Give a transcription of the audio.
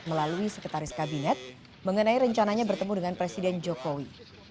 melalui sekretaris kabinet mengenai rencananya bertemu dengan presiden jokowi